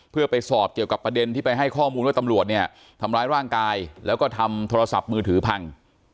เพื่อไปสอบเกี่ยวกับประเด็นที่ไปให้ข้อมูลว่าตำรวจเนี่ยทำร้ายร่างกายแล้วก็ทำโทรศัพท์มือถือพัง